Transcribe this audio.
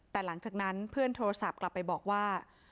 แต่หลังจากนั้นเพื่อนโทรศัพท์กลับไปบอกว่า